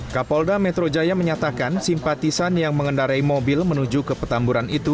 kapolda metro jaya menyatakan simpatisan yang mengendarai mobil menuju ke petamburan itu